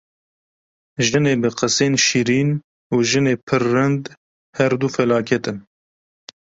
Jinê bi qisên şîrîn û jinê pir rind her du felaket in.